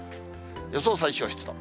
予想最小湿度。